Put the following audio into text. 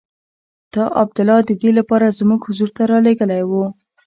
تا عبدالله د دې لپاره زموږ حضور ته رالېږلی وو.